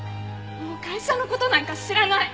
もう会社の事なんか知らない！